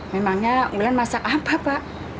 memangnya bulan masak apa pak